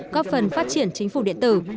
có phần phát triển chính phủ điện tử